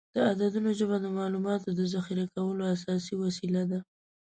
د عددونو ژبه د معلوماتو د ذخیره کولو اساسي وسیله ده.